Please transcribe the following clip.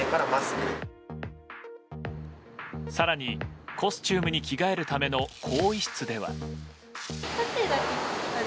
更にコスチュームに着替えるための更衣室では。